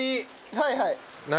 はいはい。